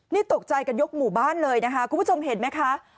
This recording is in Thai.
นี่ตกใจกันยกหมู่บ้านเลยนะคะคุณผู้ชมเห็นไหมคะ